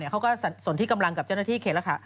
เขาก็ส่วนที่กำลังกับเจ้าหน้าที่เขตรักษา